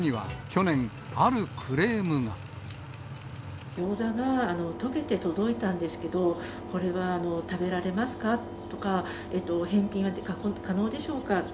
ギョーザがとけて届いたんですけど、これは食べられますかとか、返品は可能でしょうか？と。